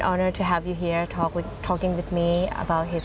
สันติภาพเกิดขึ้นที่บริษัทหรือวันที่เกิดขึ้น